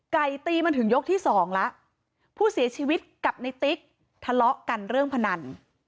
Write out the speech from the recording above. ตีมันถึงยกที่สองแล้วผู้เสียชีวิตกับในติ๊กทะเลาะกันเรื่องพนัน